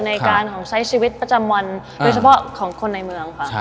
ในการใช้ชีวิตประจำวันโดยเฉพาะของคนในเมืองค่ะ